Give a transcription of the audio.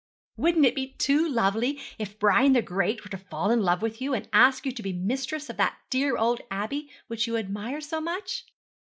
'Wouldn't it be too lovely if Brian the Great were to fall in love with you, and ask you to be mistress of that dear old Abbey which you admire so much?